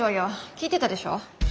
聞いてたでしょ？